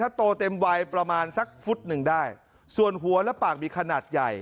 ถ้าโตเต็มวัยประมาณสักฟุตหนึ่งได้ส่วนหัวและปากมีขนาดใหญ่